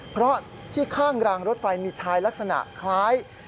เพราะที่ข้างรางรถไฟมีชายลักษณะคล้าย